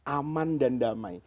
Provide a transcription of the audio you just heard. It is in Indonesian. aman dan damai